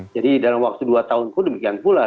jadi dalam waktu dua tahun pun demikian pula